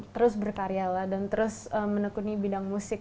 terus berkarya lah dan terus menekuni bidang musik